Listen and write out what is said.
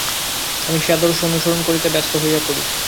আমি সেই আদর্শ অনুসরণ করিতে ব্যস্ত হইয়া পড়ি।